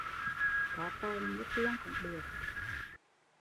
Có tờn mua tiên cũng được